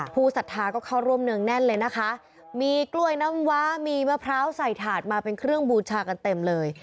ศรัทธาก็เข้าร่วมเนืองแน่นเลยนะคะมีกล้วยน้ำว้ามีมะพร้าวใส่ถาดมาเป็นเครื่องบูชากันเต็มเลย